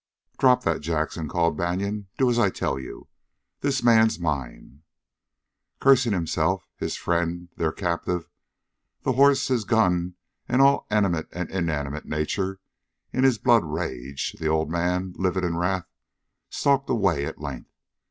"Drop that, Jackson!" called Banion. "Do as I tell you! This man's mine!" Cursing himself, his friend, their captive, the horse, his gun and all animate and inanimate Nature in his blood rage, the old man, livid in wrath, stalked away at length.